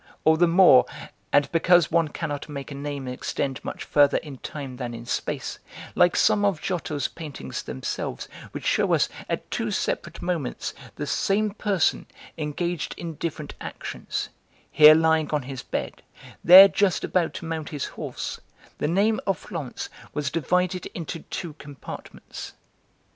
All the more and because one cannot make a name extend much further in time than in space like some of Giotto's paintings themselves which shew us at two separate moments the same person engaged in different actions, here lying on his bed, there just about to mount his horse, the name of Florence was divided into two compartments.